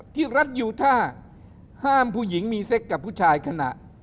ที่รัฐยูท่าห้ามผู้หญิงมีเซ็กกับผู้ชายขณะ